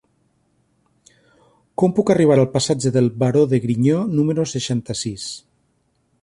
Com puc arribar al passatge del Baró de Griñó número seixanta-sis?